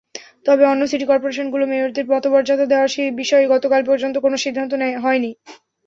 তবে অন্য সিটি করপোরেশনগুলোর মেয়রদের পদমর্যাদা দেওয়ার বিষয়ে গতকাল পর্যন্ত কোনো সিদ্ধান্ত হয়নি।